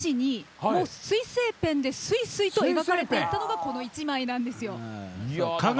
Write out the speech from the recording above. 下書きなしに、水性ペンですいすいと描かれたのがこの１枚なんです。